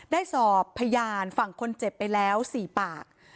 ได้สอบพยานฝั่งคนเจ็บไปแล้ว๔ปาก